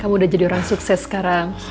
kamu udah jadi orang sukses sekarang